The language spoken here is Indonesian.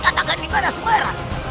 cepat katakan dimana sembara